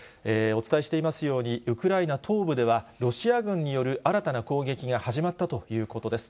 お伝えしていますように、ウクライナ東部では、ロシア軍による新たな攻撃が始まったということです。